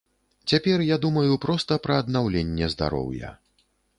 Цяпер я думаю проста пра аднаўленне здароўя.